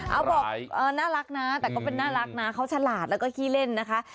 เอาบอกน่ารักนะแต่ก็เป็นน่ารักนะเขาฉลาดแล้วก็ขี้เล่นนะคะ